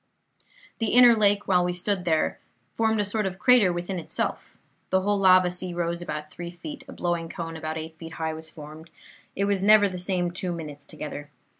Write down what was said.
"The inner lake, while we stood there, formed a sort of crater within itself; the whole lava sea rose about three feet; a blowing cone about eight feet high was formed; it was never the same two minutes together.